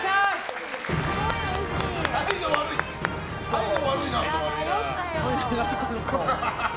態度悪いな。